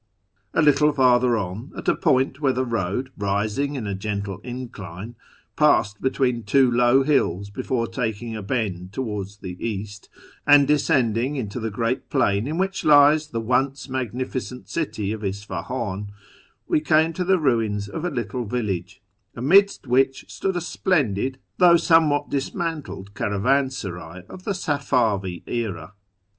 A little farther on, at a point where the road, rising in a gentle incline, passed between two low hills before taking a bend towards the east and descending into the great plain in which lies the once magnificent city of Isfahan, we came to the ruins of a little village, amidst which stood a splendid, though some what dismantled, caravansaray of the Safavi era.